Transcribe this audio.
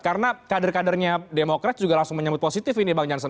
karena kader kadernya demokrat juga langsung menyambut positif ini bang jansan